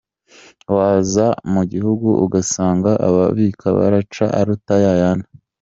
Waza mu gihugu ugasanga abayabika baraca aruta yayandi.